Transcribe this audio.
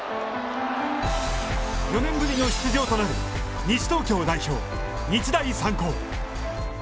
４年ぶりの出場となる西東京代表・日大三高。